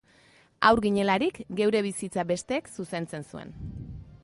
Haur ginelarik, geure bizitza bestek zuzentzen zuen